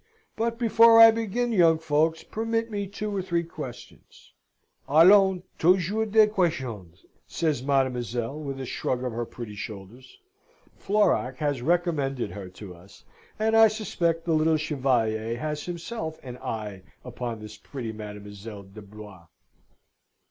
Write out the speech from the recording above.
"But before I begin, young folks, permit me two or three questions." "Allons, toujours des questions!" says mademoiselle, with a shrug of her pretty shoulders. (Florac has recommended her to us, and I suspect the little Chevalier has himself an eye upon this pretty Mademoiselle de Blois.)